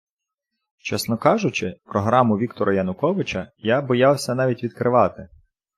Чесно кажучи, програму Віктора Януковича я боявся навіть відкривати.